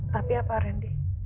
tapi apa ren